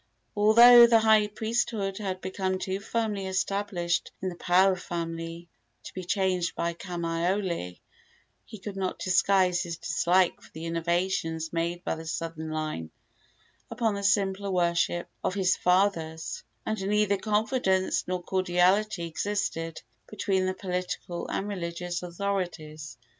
Although the high priesthood had become too firmly established in the Paao family to be changed by Kamaiole, he could not disguise his dislike for the innovations made by the southern line upon the simpler worship of his fathers, and neither confidence nor cordiality existed between the political and religious authorities.